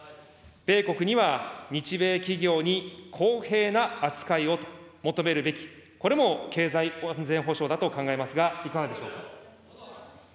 米国には日米企業に公平な扱いをと求めるべき、これも経済安全保障だと考えますが、いかがでしょうか。